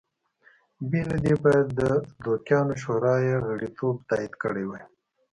بې له دې باید د دوکیانو شورا یې غړیتوب تایید کړی وای